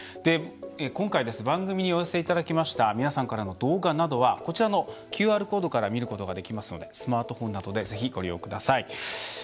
今回番組にお寄せいただきました皆さんからの動画などはこちらのＱＲコードから見ることができますのでスマートフォンなどでぜひ、ご利用ください。